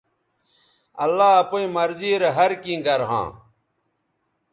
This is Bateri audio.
اللہ اپئیں مرضی رے ہر کیں گر ھاں